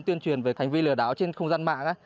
tuyên truyền về hành vi lừa đảo trên không gian mạng